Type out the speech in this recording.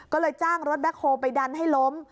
ก็เลยจ้างรถแบ็คโฮลไปดันให้ล้ม